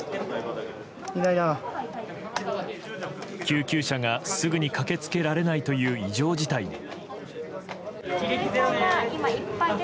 救急車がすぐに駆け付けられないという異常事態に。